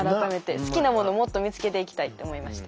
好きなものもっと見つけていきたいって思いました。